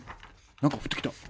何か降ってきた。